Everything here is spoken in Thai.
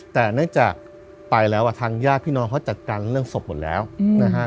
แต่เนื่องจากไปแล้วทางญาติพี่น้องเขาจัดการเรื่องศพหมดแล้วนะฮะ